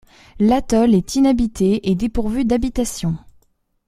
L'atoll est inhabité et dépourvu d'habitations.